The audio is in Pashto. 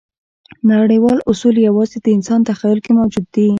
نړیوال اصول یواځې د انسان تخیل کې موجود دي.